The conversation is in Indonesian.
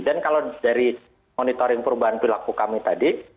dan kalau dari monitoring perubahan perilaku kami tadi